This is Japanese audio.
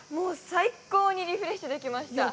◆最高にリフレッシュできました。